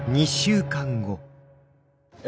え